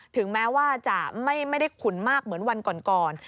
ถึงแม้ว่าจะไม่ได้ขุนมากเหมือนวันก่อน